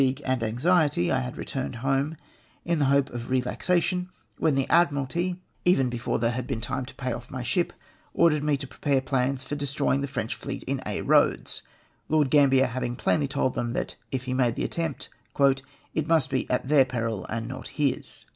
ue and anxiety I had returned home, in the hope of re laxation, when the Admkalty, even before there had been time to pay off my ship, ordered me to prepare plans for destroying the French fleet in Aix Eoads, Lord Gambler having plainly told them that, if he made the attempt, " it must be at their j^eril and not his.''